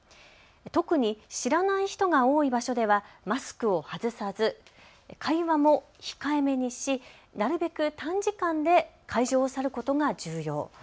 特に知らない人が多い場所ではマスクを外さず会話も控えめにしなるべく短時間で会場を去ることが重要。